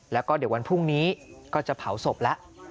แล้วก็เดี๋ยววันพรุ่งนี้ก็จะเผาศพแล้ว